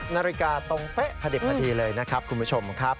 นาฬิกาตรงเป๊ะพอดิบพอดีเลยนะครับคุณผู้ชมครับ